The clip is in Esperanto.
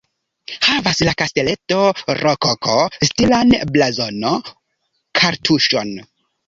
Havas la kasteleto rokoko-stilan blazono-kartuŝon.